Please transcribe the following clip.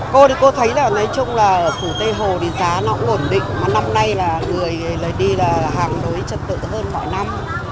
cô thì cô thấy là ở phủ tây hồ thì giá nó cũng ổn định mà năm nay là người lấy đi là hàng đối chất tự hơn mỗi năm